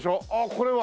これは。